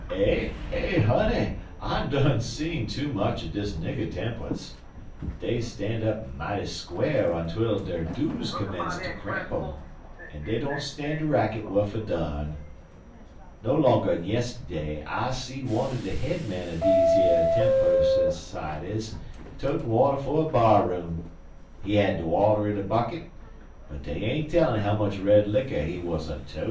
"Eh eh, honey! I done see too much er dis nigger tempunce. Dey stan' up mighty squar' ontwell dere dues commence ter cramp um, an' dey don't stan' de racket wuf a durn. No longer'n yistiddy I seed one er de head men er one er dese Tempeler's s'cieties totin' water fer a bar room. He had de water in a bucket, but dey ain't no tellin' how much red licker he wuz a totin'.